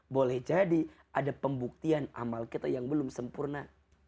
boleh jadi ada pembuktian amal kita yang belum sempurna